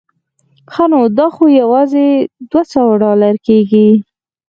ښه نو دا خو یوازې دوه سوه ډالره کېږي.